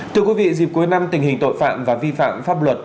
thưa quý vị dịp cuối năm tình hình tội phạm và vi phạm pháp luật